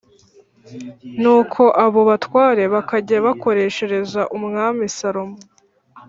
Nuko abo batware bakajya bakoreshereza Umwami Salomo